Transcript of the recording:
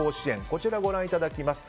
こちらをご覧いただきます。